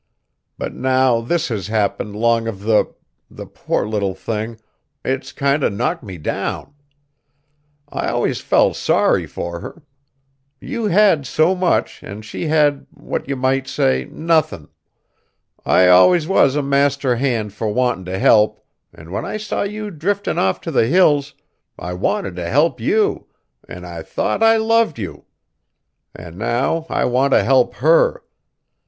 But now this has happened 'long of the the poor little thing, it's kinder knocked me down. I allus felt sorry fur her! You had so much an' she had, what you might say, nothin'. I allus was a master hand fur wantin' t' help, an' when I saw you driftin' off t' the Hills, I wanted t' help you, an' I thought I loved you! An' now I want t' help her.